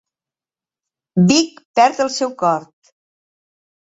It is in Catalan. Vic perd el seu cor.